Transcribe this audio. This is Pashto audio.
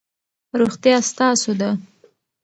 روغتیا ستاسو ده.